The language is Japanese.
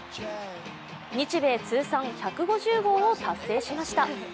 日米通算１５０号を達成しました。